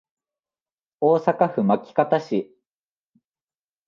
大阪府枚方市